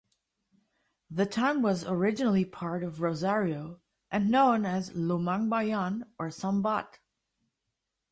The town was originally part of Rosario and known as "Lumang Bayan" or "Sambat".